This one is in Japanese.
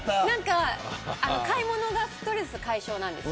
買い物がストレス解消なんです。